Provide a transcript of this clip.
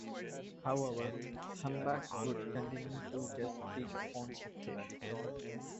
However, Humbard would continue to guest-speak on occasion.